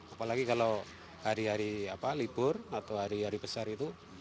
apalagi kalau hari hari libur atau hari hari besar itu